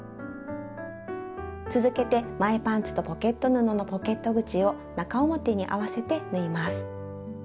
続けて前パンツとポケット布のポケット口を中表に合わせて縫います。